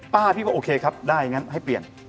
พี่ก็โอเคครับได้อย่างนั้นให้เปลี่ยน